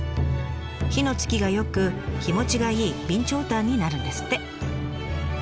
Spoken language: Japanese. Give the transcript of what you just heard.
火のつきが良く火もちがいい備長炭になるんですって。